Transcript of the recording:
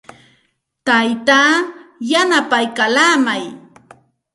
Taytaa yanapaykallaamay.